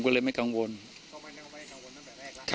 เขาไปนั่งไว้กังวลตั้งแต่แรกละ